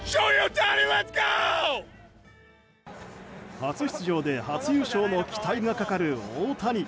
初出場で初優勝の期待がかかる大谷。